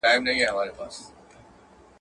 ته پاچا یې خدای درکړی سلطنت دئ.